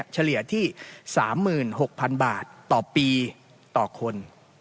เฉลี่ยที่๓๖๐๐๐บาทต่อปีต่อคน